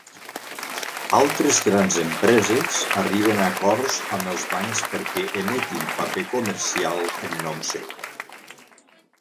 Altres grans empreses arriben a acords amb els bancs perquè emetin paper comercial en nom seu.